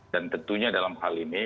tentunya dalam hal ini